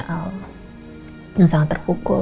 yang sangat terpukul